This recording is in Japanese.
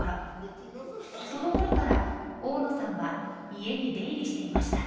そのころから大野さんは家に出入りしていました。